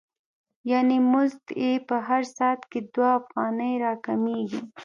یانې مزد یې په هر ساعت کې دوه افغانۍ را کمېږي